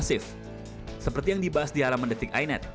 sebagai yang dibahas di alaman detik inet